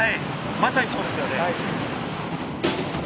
まさにそうですよね。